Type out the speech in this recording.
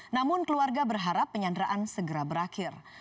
namun keluarga berharap penyanderaan segera berakhir